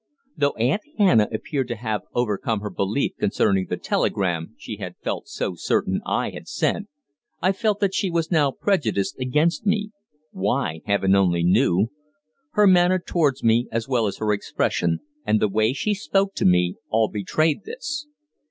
Though Aunt Hannah appeared to have overcome her belief concerning the telegram she had felt so certain I had sent, I felt that she was now prejudiced against me why, heaven only knew. Her manner towards me, as well as her expression, and the way she spoke to me, all betrayed this.